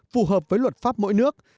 phù hợp với luật pháp mỗi nước